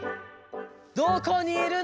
どこにいるの？